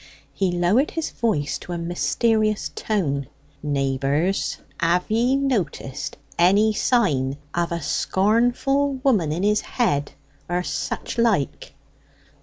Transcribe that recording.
He lowered his voice to a mysterious tone: "Neighbours, have ye noticed any sign of a scornful woman in his head, or suchlike?"